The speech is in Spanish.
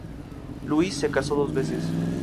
Luis se casó dos veces.